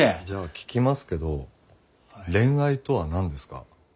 じゃあ聞きますけど恋愛とは何ですか？